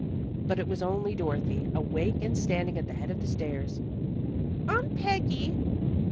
But it was only Dorothy, awake and standing at the head of the stairs. "Aunt Peggy!"